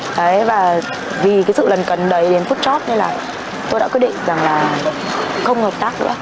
đấy và vì cái sự lấn cấn đấy đến phút chót nên là tôi đã quyết định rằng là không hợp tác nữa